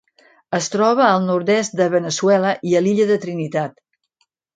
Es troba al nord-est de Veneçuela i a l'Illa de Trinitat.